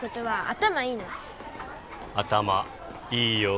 頭いいよ